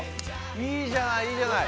いいじゃないいいじゃない。